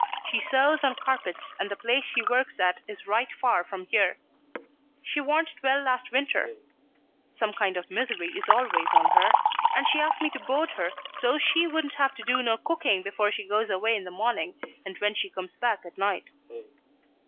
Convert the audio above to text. She sews on carpets and the place she works at is right far from here. She warn't well last winter some kind of misery is always on her and she asked me to board her so she wouldn't have to do no cooking before she goes away in the morning and when she comes back at night."